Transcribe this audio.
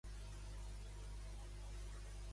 Franco i Marcos són amants?